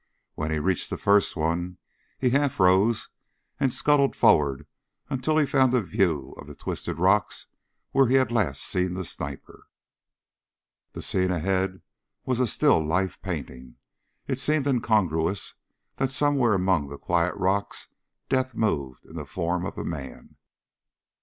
When he reached the first one, he half rose and scuttled forward until he found a view of the twisted rocks where he had last seen the sniper. The scene ahead was a still life painting. It seemed incongruous that somewhere among the quiet rocks death moved in the form of a man.